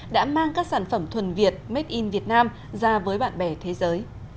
đã mang các sản phẩm thuần việt made in vietnam ra với bạn bè thế giới